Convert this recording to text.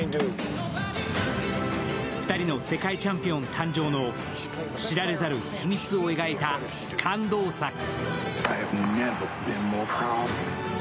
２人の世界チャンピオン誕生の知られざる秘密を描いた感動作。